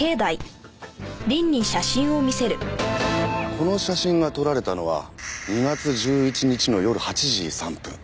この写真が撮られたのは２月１１日の夜８時３分。